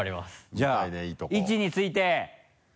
じゃあ位置について。